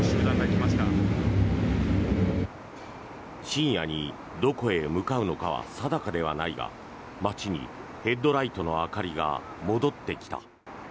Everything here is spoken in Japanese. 深夜にどこへ向かうのかは定かではないが街にヘッドライトの明かりが戻ってきた。